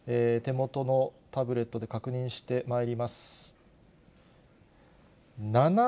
手元のタブレットで確認してまいります。